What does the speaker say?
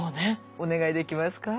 お願いできますか？